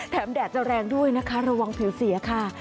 แดดจะแรงด้วยนะคะระวังผิวเสียค่ะ